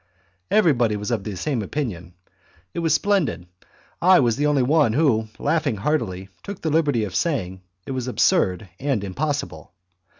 Everybody was of the same opinion; it was splendid. I was the only one who, laughing heartily, took the liberty of saying it was absurd and impossible.